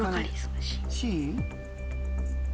Ｃ？